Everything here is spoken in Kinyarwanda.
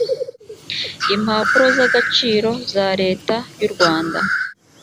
impapuro z agaciro za leta y u rwanda